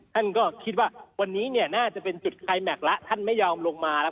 ท่านก็คิดว่าวันนี้เนี่ยน่าจะเป็นจุดคลายแม็กซ์แล้วท่านไม่ยอมลงมาแล้ว